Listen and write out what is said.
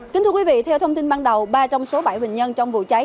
kính thưa quý vị theo thông tin ban đầu ba trong số bảy bệnh nhân trong vụ cháy